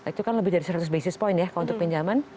itu kan lebih dari seratus basis point ya kalau untuk pinjaman